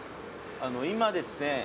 今ですね